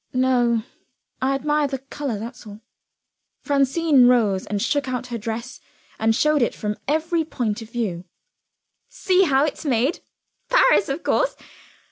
"No; I admire the color that's all." Francine rose, and shook out her dress, and showed it from every point of view. "See how it's made: Paris, of course!